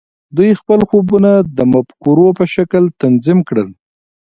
دوی خپل خوبونه د مفکورو په شکل تنظیم کړل